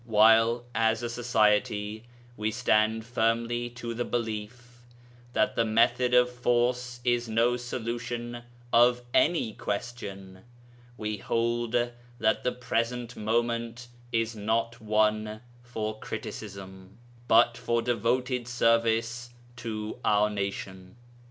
While, as a Society, we stand firmly to the belief that the method of force is no solution of any question, we hold that the present moment is not one for criticism, but for devoted service to our nation.